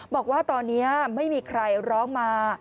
บอกว่าตอนนี้ไม่มีใครร้องมา